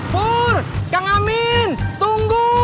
pur kak amin tunggu